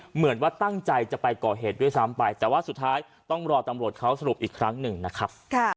เหมือนว่าตั้งใจจะไปก่อเหตุด้วยซ้ำไปแต่ว่าสุดท้ายต้องรอตำรวจเขาสรุปอีกครั้งหนึ่งนะครับ